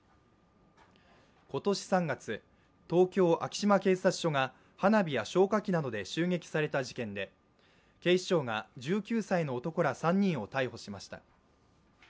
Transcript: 今年３月、東京・昭島警察署が花火や消火器などで襲撃された事件で、警視庁が１９歳の男ら３人を逮捕しました。